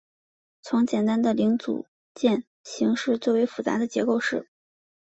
从简单的零组件型式最为复杂的结构体。